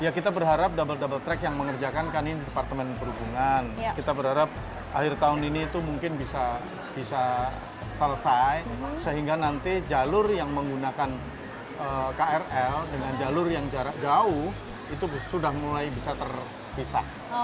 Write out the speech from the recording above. ya kita berharap double double track yang mengerjakan kan ini departemen perhubungan kita berharap akhir tahun ini itu mungkin bisa selesai sehingga nanti jalur yang menggunakan krl dengan jalur yang jarak jauh itu sudah mulai bisa terpisah